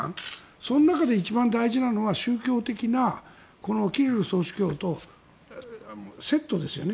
その中で一番大事なのは宗教的なキーウ総司教とセットですよね。